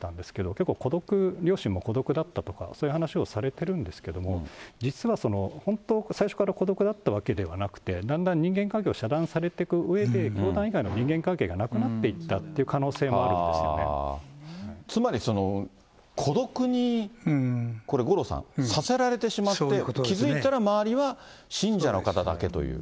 結構、孤独、両親も孤独だったとかそういう話をされているんですけれども、実は最初から孤独だったわけではなくて、だんだん人間関係を遮断されていくうえで、教団以外の人間関係がなくなっていったっていう可能性もあるんでつまり、孤独に、これ、五郎さん、させられてしまって、気付いたら周りは信者の方だけという。